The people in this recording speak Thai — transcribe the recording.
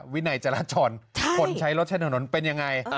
วินัยจราจรคนใช้รถใช้ถนนเป็นยังไง